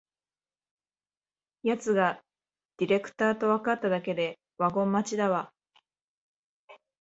やつがディレクターとわかっただけでワゴン待ちだわ